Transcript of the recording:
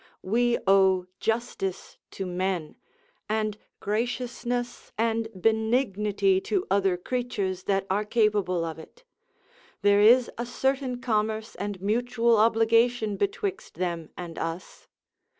We owe justice to men, and graciousness and benignity to other creatures that are capable of it; there is a certain commerce and mutual obligation betwixt them and us.